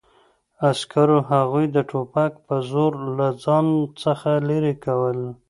عسکرو هغوی د ټوپک په زور له ځان څخه لرې کول